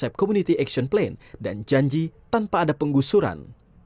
kepala komunitas aksion plan dan janji tanpa ada penggusuran